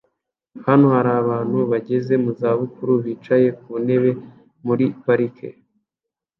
Hano hari abantu bageze mu zabukuru bicaye ku ntebe muri parike